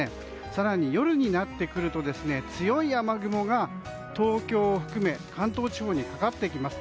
更に夜になってくると強い雨雲が東京を含め関東地方にかかってきます。